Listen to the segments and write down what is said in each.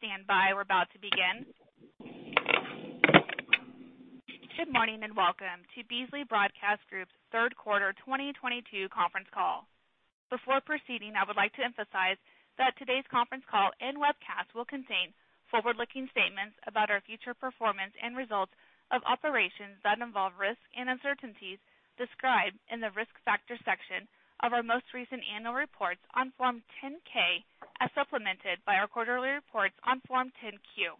Please stand by. We're about to begin. Good morning, and welcome to Beasley Broadcast Group's third quarter 2022 conference call. Before proceeding, I would like to emphasize that today's conference call and webcast will contain forward-looking statements about our future performance and results of operations that involve risks and uncertainties described in the Risk Factors section of our most recent annual reports on Form 10-K, as supplemented by our quarterly reports on Form 10-Q.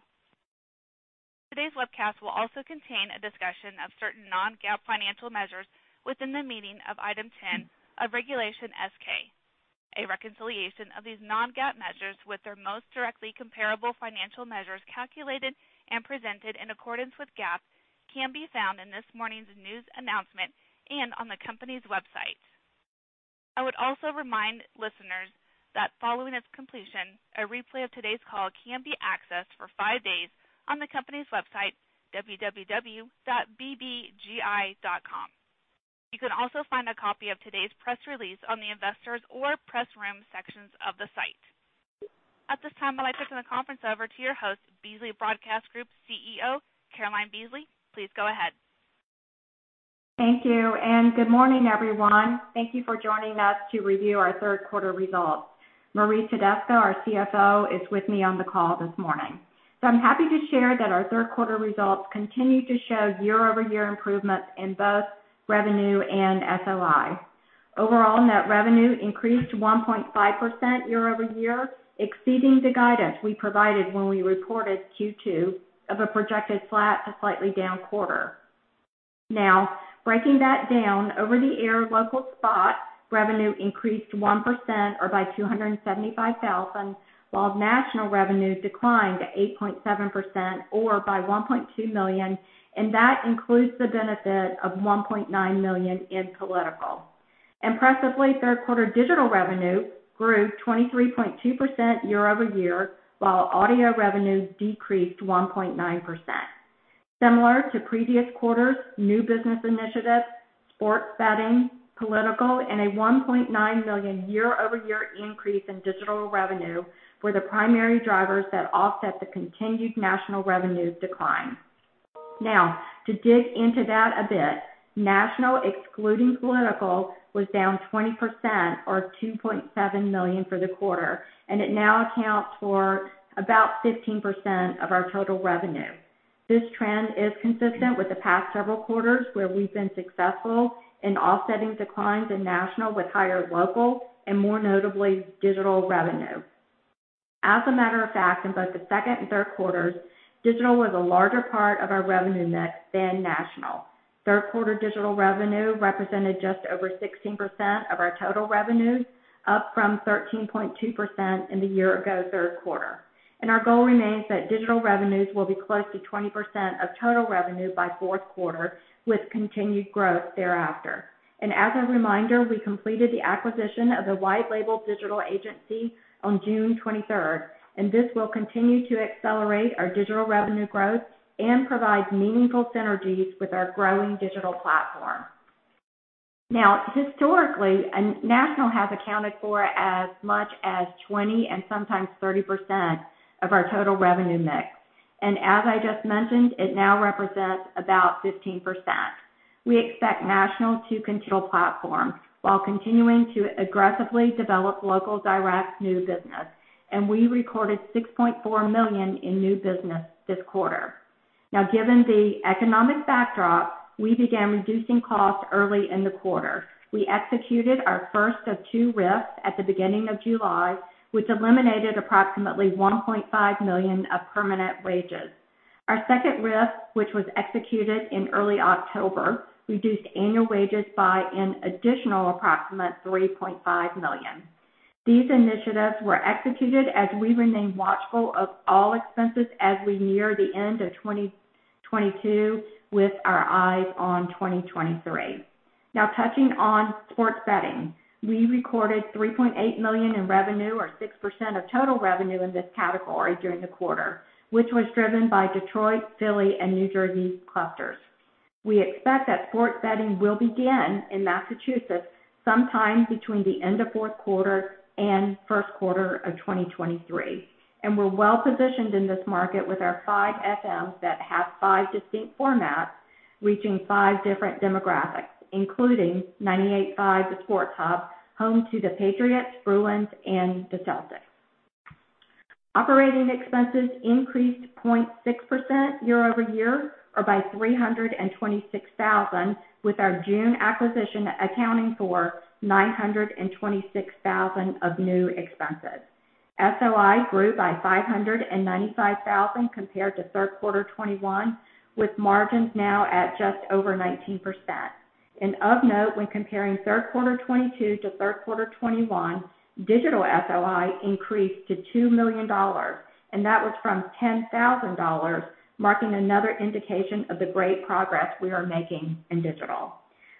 Today's webcast will also contain a discussion of certain non-GAAP financial measures within the meaning of Item 10 of Regulation S-K. A reconciliation of these non-GAAP measures with their most directly comparable financial measures calculated and presented in accordance with GAAP can be found in this morning's news announcement and on the company's website. I would also remind listeners that following its completion, a replay of today's call can be accessed for five days on the company's website, www.bbgi.com. You can also find a copy of today's press release on the Investors or Press Room sections of the site. At this time, I'd like to turn the conference over to your host, Beasley Broadcast Group CEO, Caroline Beasley. Please go ahead. Thank you, and good morning, everyone. Thank you for joining us to review our third quarter results. Marie Tedesco, our CFO, is with me on the call this morning. I'm happy to share that our third quarter results continue to show year-over-year improvements in both revenue and SOI. Overall, net revenue increased 1.5% year-over-year, exceeding the guidance we provided when we reported Q2 of a projected flat to slightly down quarter. Now, breaking that down, over-the-air local spot revenue increased 1% or by $275,000, while national revenue declined 8.7% or by $1.2 million, and that includes the benefit of $1.9 million in political. Impressively, third quarter digital revenue grew 23.2% year-over-year, while audio revenue decreased 1.9%. Similar to previous quarters, new business initiatives, sports betting, political, and a $1.9 million year-over-year increase in digital revenue were the primary drivers that offset the continued national revenue decline. Now, to dig into that a bit, national, excluding political, was down 20% or $2.7 million for the quarter, and it now accounts for about 15% of our total revenue. This trend is consistent with the past several quarters where we've been successful in offsetting declines in national with higher local and, more notably, digital revenue. As a matter of fact, in both the second and third quarters, digital was a larger part of our revenue mix than national. Third quarter digital revenue represented just over 16% of our total revenue, up from 13.2% in the year ago third quarter. Our goal remains that digital revenues will be close to 20% of total revenue by fourth quarter, with continued growth thereafter. As a reminder, we completed the acquisition of Guarantee Digital on June 23rd, and this will continue to accelerate our digital revenue growth and provide meaningful synergies with our growing digital platform. Historically, national has accounted for as much as 20 and sometimes 30% of our total revenue mix. As I just mentioned, it now represents about 15%. We expect national to control platforms while continuing to aggressively develop local direct new business. We recorded $6.4 million in new business this quarter. Given the economic backdrop, we began reducing costs early in the quarter. We executed our first of two RIFs at the beginning of July, which eliminated approximately $1.5 million of permanent wages. Our second RIF, which was executed in early October, reduced annual wages by an additional approximate $3.5 million. These initiatives were executed as we remain watchful of all expenses as we near the end of 2022 with our eyes on 2023. Now, touching on sports betting. We recorded $3.8 million in revenue or 6% of total revenue in this category during the quarter, which was driven by Detroit, Philly, and New Jersey clusters. We expect that sports betting will begin in Massachusetts sometime between the end of fourth quarter and first quarter of 2023, and we're well-positioned in this market with our five FMs that have five distinct formats reaching 5 different demographics, including 98.5 The Sports Hub, home to the Patriots, Bruins, and the Celtics. Operating expenses increased 0.6% year-over-year or by $326,000, with our June acquisition accounting for $926,000 of new expenses. SOI grew by $595,000 compared to third quarter 2021, with margins now at just over 19%. Of note, when comparing third quarter 2022 to third quarter 2021, digital SOI increased to $2 million, and that was from $10,000, marking another indication of the great progress we are making in digital.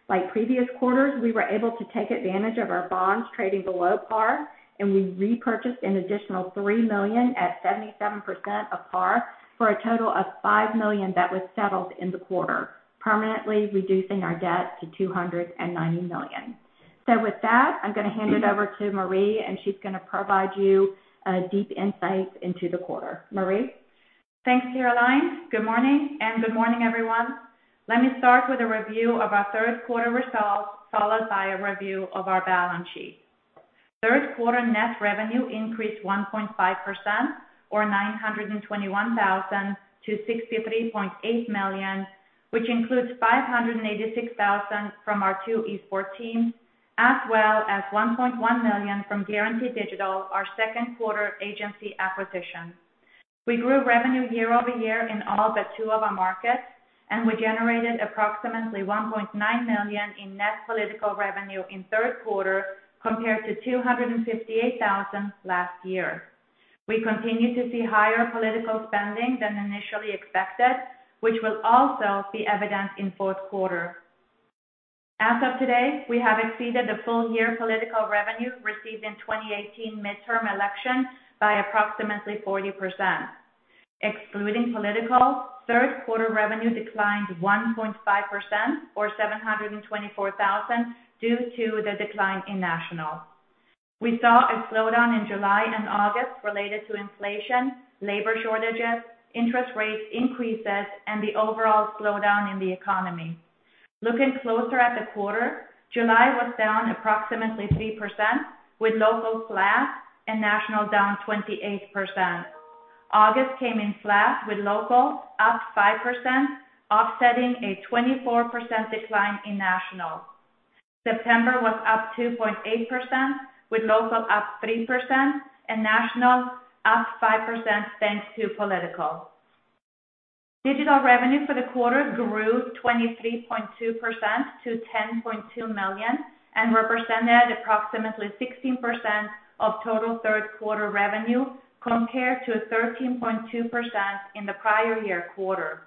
Like previous quarters, we were able to take advantage of our bonds trading below par, and we repurchased an additional $3 million at 77% of par for a total of $5 million that was settled in the quarter, permanently reducing our debt to $290 million. With that, I'm gonna hand it over to Marie, and she's gonna provide you deep insights into the quarter. Marie? Thanks, Caroline. Good morning, and good morning, everyone. Let me start with a review of our third quarter results, followed by a review of our balance sheet. Third quarter net revenue increased 1.5%, or $921,000 to $63.8 million, which includes $586,000 from our two LMAs, as well as $1.1 million from Guarantee Digital, our second quarter agency acquisition. We grew revenue year-over-year in all but two of our markets, and we generated approximately $1.9 million in net political revenue in third quarter compared to $258,000 last year. We continue to see higher political spending than initially expected, which will also be evident in fourth quarter. As of today, we have exceeded the full-year political revenue received in 2018 midterm election by approximately 40%. Excluding political, third quarter revenue declined 1.5% or $724,000 due to the decline in national. We saw a slowdown in July and August related to inflation, labor shortages, interest rate increases, and the overall slowdown in the economy. Looking closer at the quarter, July was down approximately 3% with local flat and national down 28%. August came in flat with local up 5%, offsetting a 24% decline in national. September was up 2.8%, with local up 3% and national up 5%, thanks to political. Digital revenue for the quarter grew 23.2% to $10.2 million and represented approximately 16% of total third quarter revenue compared to a 13.2% in the prior year quarter.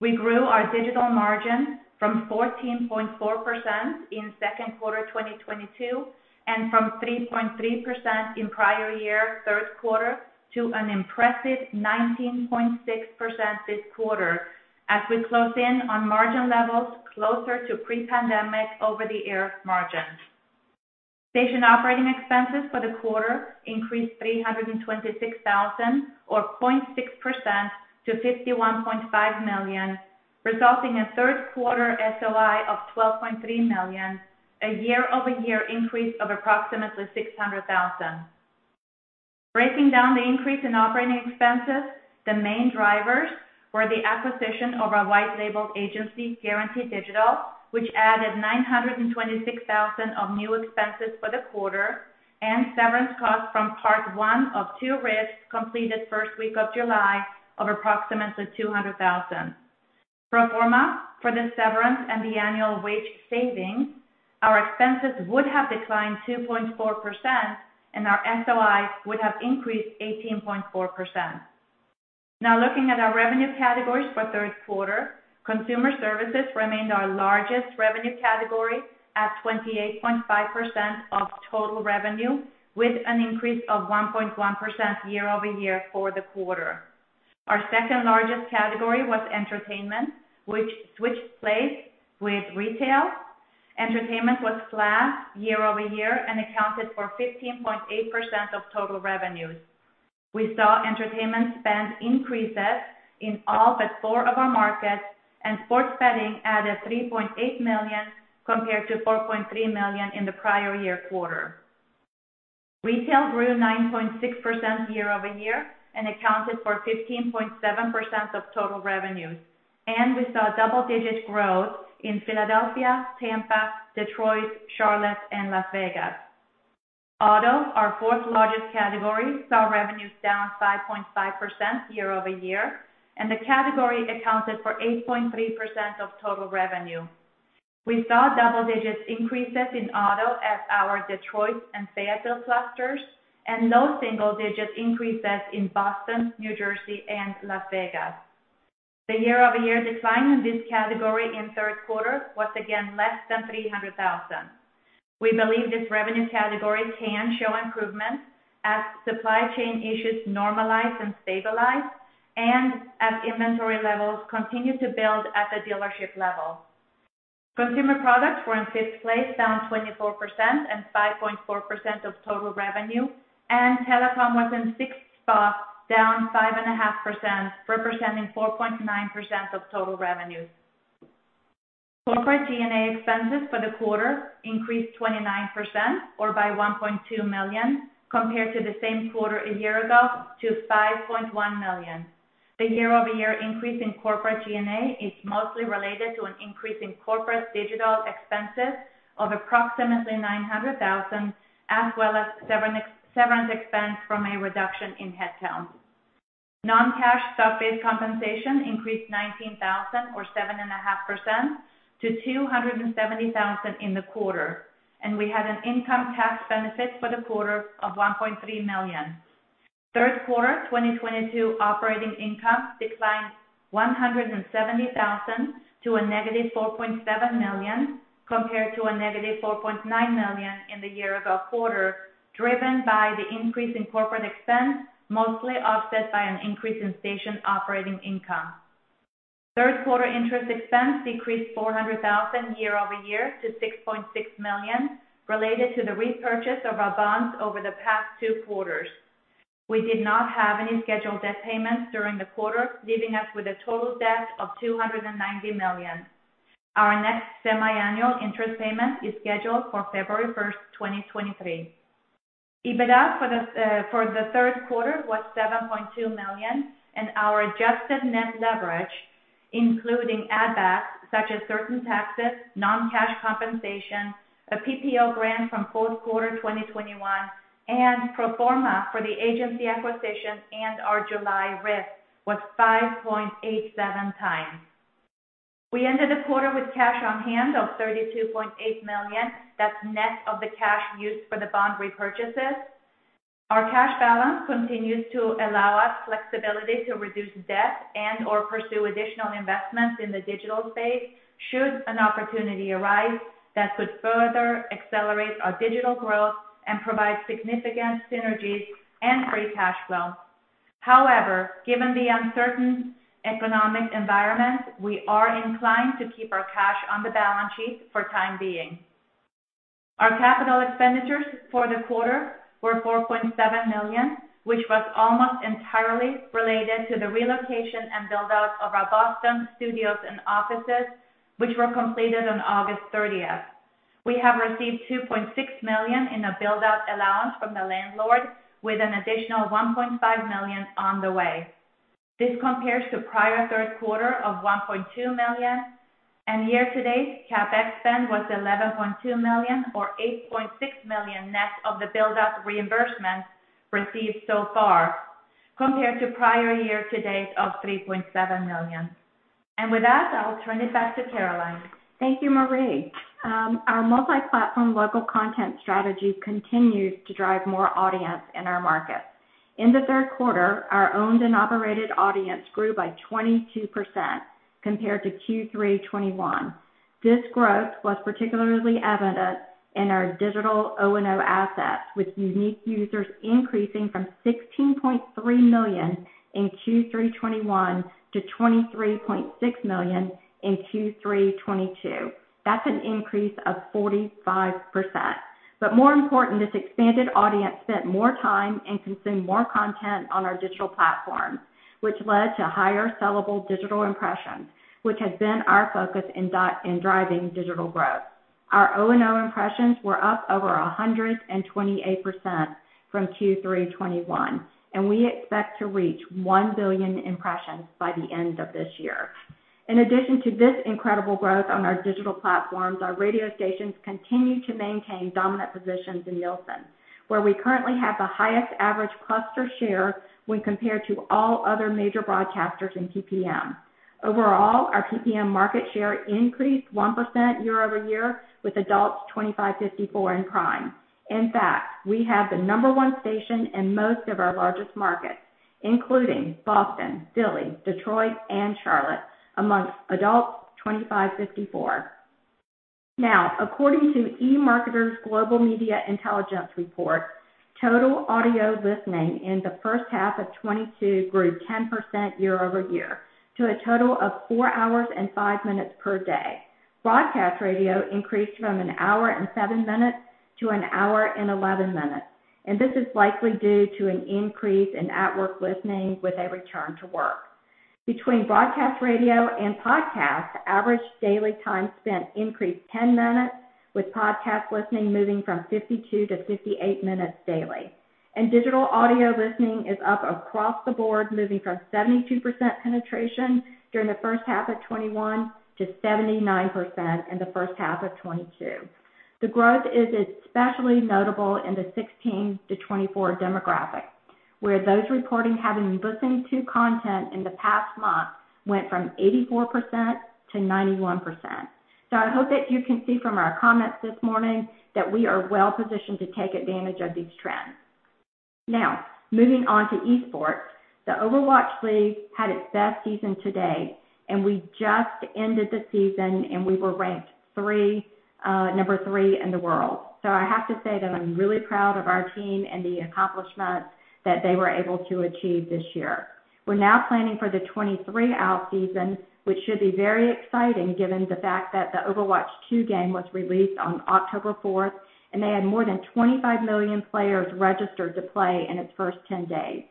We grew our digital margin from 14.4% in second quarter 2022 and from 3.3% in prior-year third quarter to an impressive 19.6% this quarter as we close in on margin levels closer to pre-pandemic over the year margins. Station operating expenses for the quarter increased $326,000 or 0.6% to $51.5 million, resulting in third quarter SOI of $12.3 million, a year-over-year increase of approximately $600,000. Breaking down the increase in operating expenses, the main drivers were the acquisition of our white-label agency, Guarantee Digital, which added $926,000 of new expenses for the quarter, and severance costs from part one of two RIFs completed first week of July of approximately $200,000. Pro forma for the severance and the annual wage savings, our expenses would have declined 2.4% and our SOI would have increased 18.4%. Now looking at our revenue categories for third quarter, consumer services remained our largest revenue category at 28.5% of total revenue, with an increase of 1.1% year-over-year for the quarter. Our second-largest category was entertainment, which switched place with retail. Entertainment was flat year-over-year and accounted for 15.8% of total revenues. We saw entertainment spend increases in all but four of our markets, and sports betting added $3.8 million compared to $4.3 million in the prior year quarter. Retail grew 9.6% year-over-year and accounted for 15.7% of total revenues. We saw double-digit growth in Philadelphia, Tampa, Detroit, Charlotte, and Las Vegas. Auto, our fourth largest category, saw revenues down 5.5% year-over-year, and the category accounted for 8.3% of total revenue. We saw double-digit increases in auto at our Detroit and Seattle clusters and low single-digit increases in Boston, New Jersey, and Las Vegas. The year-over-year decline in this category in third quarter was again less than $300,000. We believe this revenue category can show improvement as supply chain issues normalize and stabilize and as inventory levels continue to build at the dealership level. Consumer products were in fifth place, down 24% and 5.4% of total revenue, and telecom was in sixth spot, down 5.5%, representing 4.9% of total revenue. Corporate G&A expenses for the quarter increased 29% or by $1.2 million compared to the same quarter a year ago to $5.1 million. The year-over-year increase in corporate G&A is mostly related to an increase in corporate digital expenses of approximately $900,000, as well as severance expense from a reduction in headcount. Non-cash stock-based compensation increased $19,000 or 7.5% to $270,000 in the quarter, and we had an income tax benefit for the quarter of $1.3 million. Third quarter 2022 operating income declined $170,000 to -$4.7 million, compared to -$4.9 million in the year-ago quarter, driven by the increase in corporate expense, mostly offset by an increase in station operating income. Third quarter interest expense decreased $400,000 year-over-year to $6.6 million related to the repurchase of our bonds over the past two quarters. We did not have any scheduled debt payments during the quarter, leaving us with a total debt of $290 million. Our next semiannual interest payment is scheduled for February first, 2023. EBITDA for the third quarter was $7.2 million, and our adjusted net leverage, including add backs such as certain taxes, non-cash compensation, a PPP loan from fourth quarter 2021 and pro forma for the agency acquisition and our LMA risk was 5.87 times. We ended the quarter with cash on hand of $32.8 million. That's net of the cash used for the bond repurchases. Our cash balance continues to allow us flexibility to reduce debt and or pursue additional investments in the digital space should an opportunity arise that could further accelerate our digital growth and provide significant synergies and free cash flow. However, given the uncertain economic environment, we are inclined to keep our cash on the balance sheet for the time being. Our capital expenditures for the quarter were $4.7 million, which was almost entirely related to the relocation and build outs of our Boston studios and offices, which were completed on August thirtieth. We have received $2.6 million in a build out allowance from the landlord with an additional $1.5 million on the way. This compares to prior third quarter of $1.2 million and year-to-date CapEx spend was $11.2 million or $8.6 million net of the build out reimbursement received so far, compared to prior year-to-date of $3.7 million. With that, I'll turn it back to Caroline. Thank you, Marie. Our multi-platform local content strategy continues to drive more audience in our markets. In the third quarter, our owned and operated audience grew by 22% compared to Q3 2021. This growth was particularly evident in our digital O&O assets, with unique users increasing from 16.3 million in Q3 2021 to 23.6 million in Q3 2022. That's an increase of 45%. More important, this expanded audience spent more time and consumed more content on our digital platforms, which led to higher sellable digital impressions, which has been our focus in driving digital growth. Our O&O impressions were up over 128% from Q3 2021, and we expect to reach 1 billion impressions by the end of this year. In addition to this incredible growth on our digital platforms, our radio stations continue to maintain dominant positions in Nielsen, where we currently have the highest average cluster share when compared to all other major broadcasters in PPM. Overall, our PPM market share increased 1% year-over-year with adults 25-54 in prime. In fact, we have the number one station in most of our largest markets, including Boston, Philly, Detroit, and Charlotte amongst adults 25-54. Now, according to eMarketer's Global Media Intelligence Report, total audio listening in the H1 of 2022 grew 10% year-over-year to a total of four hours and five minutes per day. Broadcast radio increased from one hour and seven minutes to 1 hour and 11 minutes, and this is likely due to an increase in at-work listening with a return to work. Between broadcast radio and podcasts, average daily time spent increased 10 minutes, with podcast listening moving from 52 to 58 minutes daily. Digital audio listening is up across the board, moving from 72% penetration during the H1 of 2021 to 79% in the H1 of 2022. The growth is especially notable in the 16-24 demographic, where those reporting having listened to content in the past month went from 84% to 91%. I hope that you can see from our comments this morning that we are well positioned to take advantage of these trends. Now, moving on to esports. The Overwatch League had its best season to date, and we just ended the season and we were ranked three, number three in the world. I have to say that I'm really proud of our team and the accomplishments that they were able to achieve this year. We're now planning for the 2023 out season, which should be very exciting given the fact that the Overwatch two game was released on October fourth, and they had more than 25 million players registered to play in its first 10 days.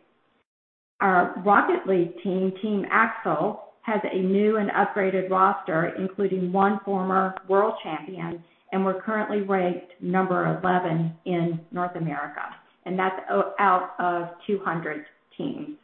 Our Rocket League team, Team AXLE, has a new and upgraded roster, including one former world champion, and we're currently ranked number 11 in North America, and that's out of 200 teams.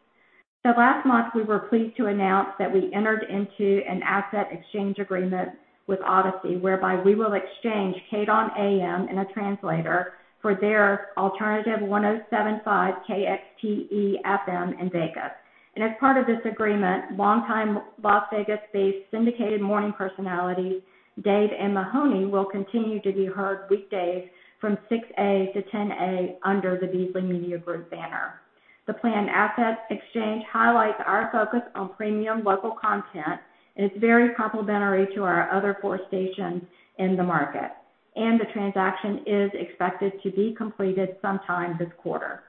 Last month we were pleased to announce that we entered into an asset exchange agreement with Audacy, whereby we will exchange KDWN AM and a translator for their Alternative 107.5 KXTE FM and makeup. As part of this agreement, longtime Las Vegas-based syndicated morning personalities, Dave and Mahoney, will continue to be heard weekdays from 6:00 A.M. to 10:00 A.M. under the Beasley Media Group banner. The planned asset exchange highlights our focus on premium local content, and it's very complementary to our other four stations in the market, and the transaction is expected to be completed sometime this quarter.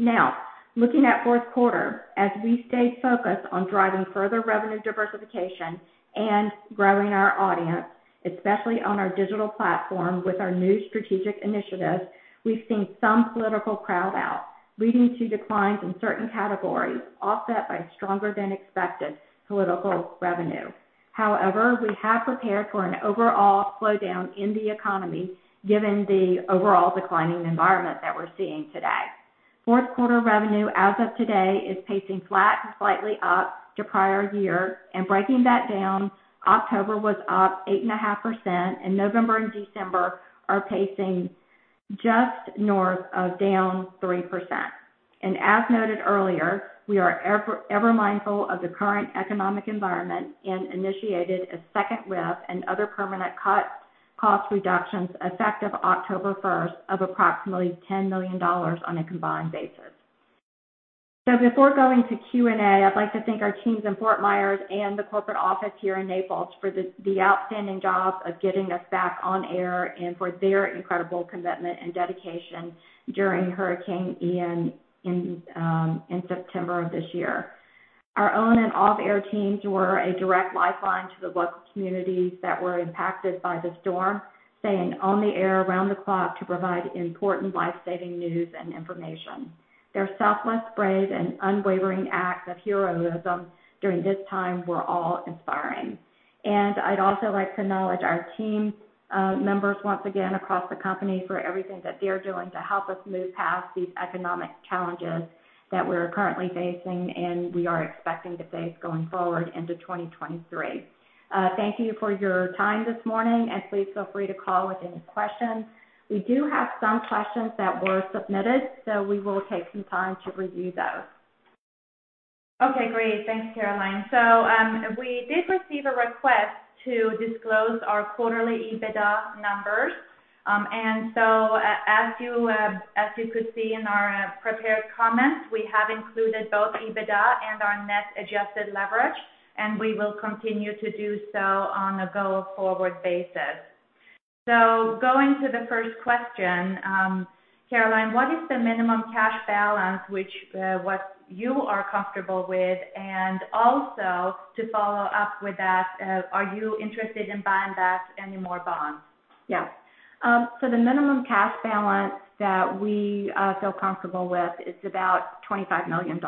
Now, looking at fourth quarter, as we stay focused on driving further revenue diversification and growing our audience, especially on our digital platform with our new strategic initiatives, we've seen some political crowd out, leading to declines in certain categories, offset by stronger than expected political revenue. However, we have prepared for an overall slowdown in the economy given the overall declining environment that we're seeing today. Fourth quarter revenue as of today is pacing flat to slightly up to prior year. Breaking that down, October was up 8.5%, and November and December are pacing just north of -3%. As noted earlier, we are ever mindful of the current economic environment and initiated a second RIF and other permanent cost reductions effective October 1 of approximately $10 million on a combined basis. Before going to Q&A, I'd like to thank our teams in Fort Myers and the corporate office here in Naples for the outstanding job of getting us back on air and for their incredible commitment and dedication during Hurricane Ian in September of this year. Our on and off-air teams were a direct lifeline to the local communities that were impacted by the storm, staying on the air around the clock to provide important life-saving news and information. Their selfless brave and unwavering acts of heroism during this time were awe inspiring. I'd also like to acknowledge our team members once again across the company for everything that they're doing to help us move past these economic challenges that we're currently facing and we are expecting to face going forward into 2023. Thank you for your time this morning, and please feel free to call with any questions. We do have some questions that were submitted, so we will take some time to review those. Okay, great. Thanks, Caroline. We did receive a request to disclose our quarterly EBITDA numbers. As you could see in our prepared comments, we have included both EBITDA and our net adjusted leverage, and we will continue to do so on a go-forward basis. Going to the first question, Caroline, what is the minimum cash balance, what you are comfortable with? And also, to follow up with that, are you interested in buying back any more bonds? Yes. The minimum cash balance that we feel comfortable with is about $25 million.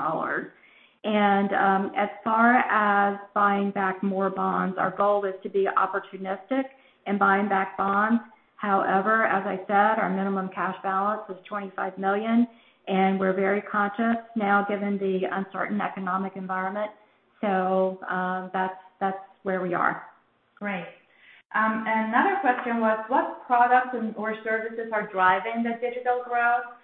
As far as buying back more bonds, our goal is to be opportunistic in buying back bonds. However, as I said, our minimum cash balance is $25 million, and we're very conscious now given the uncertain economic environment. That's where we are. Great. Another question was what products and or services are driving the digital growth?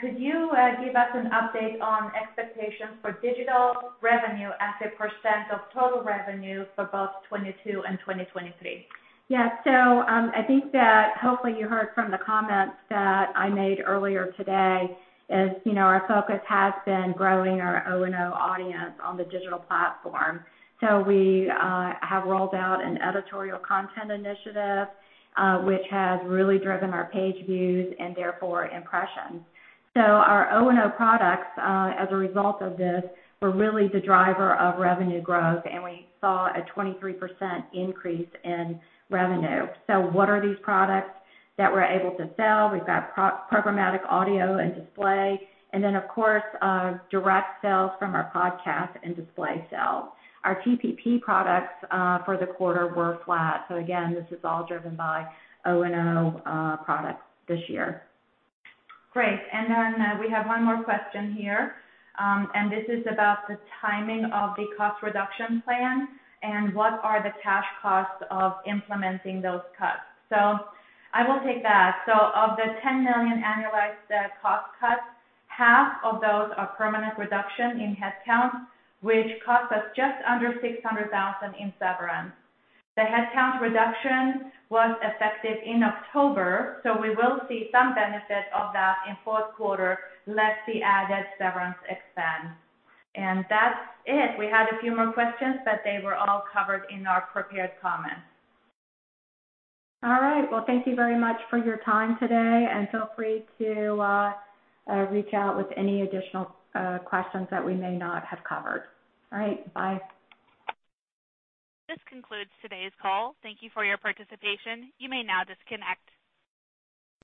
Could you give us an update on expectations for digital revenue as a % of total revenue for both 2022 and 2023? Yeah. I think that hopefully you heard from the comments that I made earlier today, you know, our focus has been growing our O&O audience on the digital platform. We have rolled out an editorial content initiative, which has really driven our page views and therefore impressions. Our O&O products, as a result of this, were really the driver of revenue growth, and we saw a 23% increase in revenue. What are these products that we're able to sell? We've got programmatic audio and display, and then of course, direct sales from our podcast and display sales. Our TPP products for the quarter were flat. Again, this is all driven by O&O products this year. Great. Then, we have one more question here, and this is about the timing of the cost reduction plan and what are the cash costs of implementing those cuts. I will take that. Of the $10 million annualized cost cuts, half of those are permanent reduction in headcounts, which cost us just under $600,000 in severance. The headcount reduction was effective in October, so we will see some benefit of that in fourth quarter, less the added severance expense. That's it. We had a few more questions, but they were all covered in our prepared comments. All right. Well, thank you very much for your time today, and feel free to reach out with any additional questions that we may not have covered. All right, bye. This concludes today's call. Thank you for your participation. You may now disconnect.